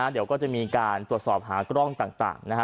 เดี๋ยวก็จะมีการตรวจสอบหากล้องต่างนะฮะ